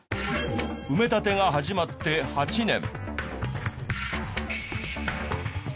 埋め立てが始まって８年。